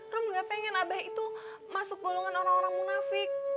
rom gak pengen abah itu masuk golongan orang orang munafik